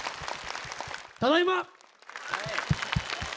ただいま！